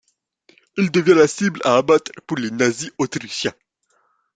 Il devient la cible à abattre pour les nazis autrichiens.